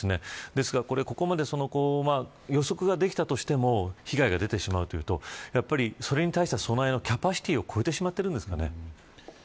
ですが、ここまで予測ができたとしても被害が出てしまうというとそれに対しての備えのキャパシティーを超えてしまっているんですかね。